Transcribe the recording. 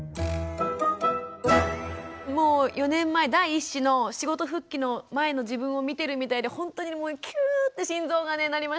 もう４年前第一子の仕事復帰の前の自分を見てるみたいでほんとにもうキューって心臓がねなりましたよ。